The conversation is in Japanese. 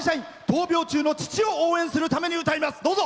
闘病中の父を応援するために歌います。